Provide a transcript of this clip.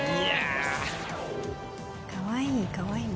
かわいいかわいい。